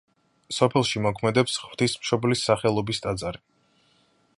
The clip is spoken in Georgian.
სოფელში მოქმედებს ღვთისმშობლის სახელობის ტაძარი.